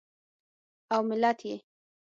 او ملت یې